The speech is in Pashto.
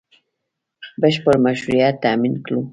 بشپړ مشروعیت تامین کړو